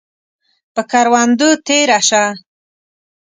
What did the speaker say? پۀ کروندو تیره شه